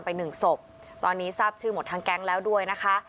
หนึ่งศพตอนนี้ทราบชื่อหมดทั้งแก๊งแล้วด้วยนะคะ